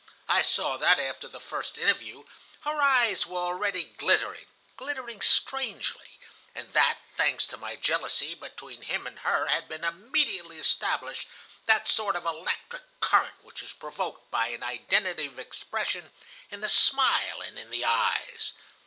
I saw that, after the first interview, her eyes were already glittering, glittering strangely, and that, thanks to my jealousy, between him and her had been immediately established that sort of electric current which is provoked by an identity of expression in the smile and in the eyes.